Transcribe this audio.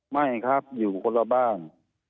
ไม่ครับอยู่คนละบ้าน